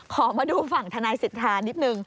ขอมาดูฝั่งทนายสิทธานิดนึง